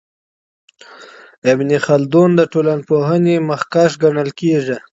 ابن خلدون د ټولنپوهنې مخکښ ګڼل کیږي.